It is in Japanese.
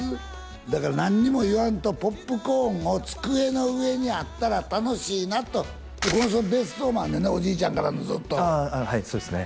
だから何も言わんとポップコーンを机の上にあったら楽しいなとでこの人別荘もあんねんなおじいちゃんからのずっとああはいそうですね